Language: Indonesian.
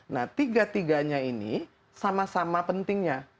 nah tiga tiganya ini sama sama pentingnya